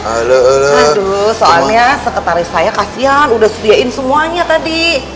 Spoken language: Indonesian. aduh soalnya sekretaris saya kasian udah sediain semuanya tadi